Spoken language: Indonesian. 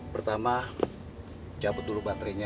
pertama cabut dulu baterenya